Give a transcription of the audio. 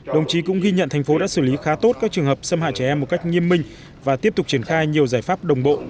đồng chí cũng ghi nhận thành phố đã xử lý khá tốt các trường hợp xâm hại trẻ em một cách nghiêm minh và tiếp tục triển khai nhiều giải pháp đồng bộ